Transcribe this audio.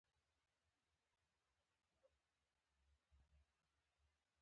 د باران څاڅکو کړکۍ وټکوله.